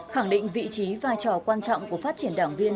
khẳng định vị trí vai trò quan trọng của phát triển đảng viên